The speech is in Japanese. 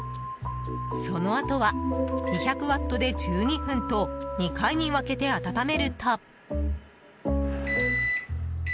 そのあとは２００ワットで１２分と２回に分けて温めると。